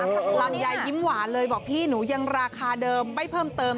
ลำไยยิ้มหวานเลยบอกพี่หนูยังราคาเดิมไม่เพิ่มเติม